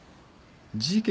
事件